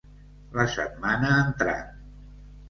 La setmana entrant.